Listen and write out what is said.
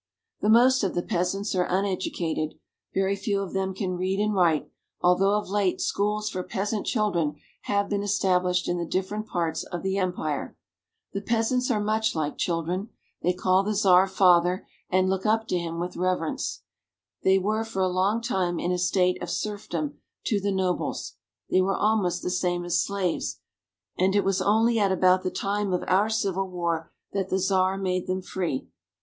The most of the peasants are uneducated. Very few of them can read and write, although of late schools for peasant children have been established in the different parts of the empire. The peasants are much like children. They ••'''.:* 1 '<* 4 ; w B| fJjNHffiJw*' V^ 3 t$L > %Hj3 "— schools for peasant children have been established." call the Czar father, and look up to him with reverence. They were for a long time in a state of serfdom to the nobles ; they were almost the same as slaves, and it was only at about the time of our Civil War that the Czar made them free.